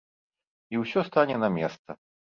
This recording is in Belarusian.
І ўсё стане на месца.